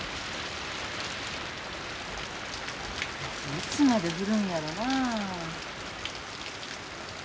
いつまで降るんやろなあ。